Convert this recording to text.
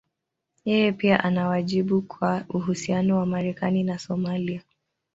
Yeye pia ana wajibu kwa uhusiano wa Marekani na Somalia.